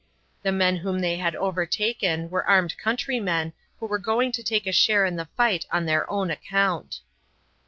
The men whom they had overtaken were armed countrymen who were going to take a share in the fight on their own account.